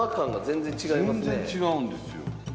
全然違うんですよ。